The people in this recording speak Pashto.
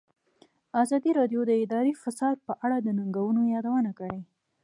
ازادي راډیو د اداري فساد په اړه د ننګونو یادونه کړې.